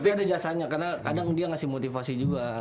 tapi ada jasanya karena kadang dia ngasih motivasi juga